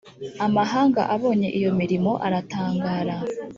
amahanga abonye iyo mirimo aratangara